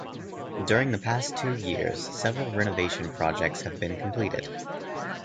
During the past two years, several renovation projects have been completed.